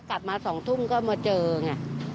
กลับมาสองทุ่มก็มาเจออย่างนี้